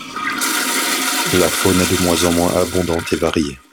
La faune est de moins en moins abondante et variée.